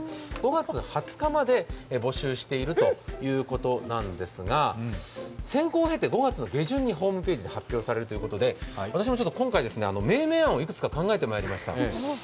５月２０日まで募集しているということなんですが、選考をへて５月２０日に発表されるということですが私も今回、命名案をいくつか考えてまいりました。